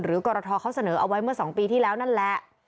กรทเขาเสนอเอาไว้เมื่อ๒ปีที่แล้วนั่นแหละ